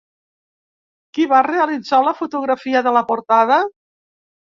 Qui va realitzar la fotografia de la portada?